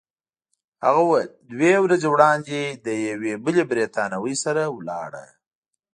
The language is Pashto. هغه وویل: دوه ورځې وړاندي له یوې بلې بریتانوۍ سره ولاړه.